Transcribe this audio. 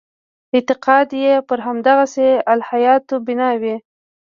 اعتقاد یې پر همدغسې الهیاتو بنا وي.